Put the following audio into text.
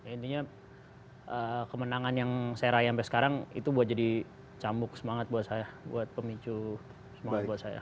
intinya kemenangan yang saya raih sampai sekarang itu buat jadi cambuk semangat buat saya buat pemicu semangat buat saya